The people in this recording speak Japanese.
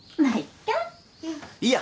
いいや。